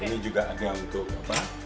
ini juga ada untuk apa